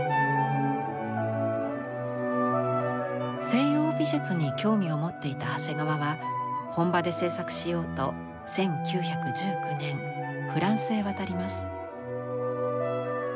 西洋美術に興味を持っていた長谷川は本場で制作しようと１９１９年フランスへ渡ります。